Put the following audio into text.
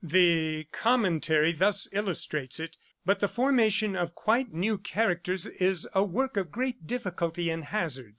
The 'Commentary' thus illustrates it: 'But the formation of quite new characters is a work of great difficulty and hazard.